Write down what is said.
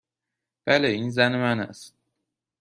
بله. این زن من است.